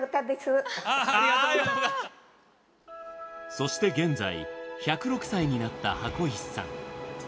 そして現在１０６歳になった箱石さん。